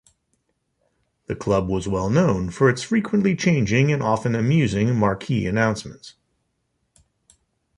The club was well known for its frequently changing and often amusing marquee announcements.